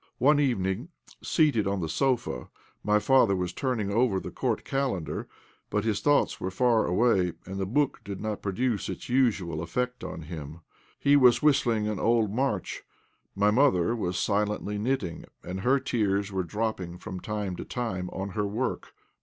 One evening, seated on the sofa, my father was turning over the Court Calendar; but his thoughts were far away, and the book did not produce its usual effect on him. He was whistling an old march. My mother was silently knitting, and her tears were dropping from time to time on her work.